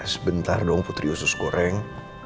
sebentar dong putri usus goreng